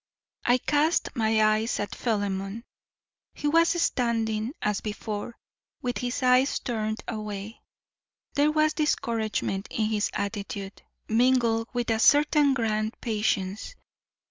I cast my eyes at Philemon. He was standing, as before, with his eyes turned away. There was discouragement in his attitude, mingled with a certain grand patience.